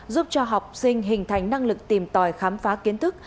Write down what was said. giúp cho học sinh hình thành năng lực tìm tòi khám phá kiến thức